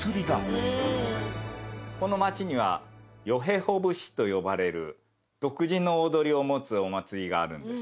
この町にはよへほ節と呼ばれる独自の踊りを持つお祭りがあるんです。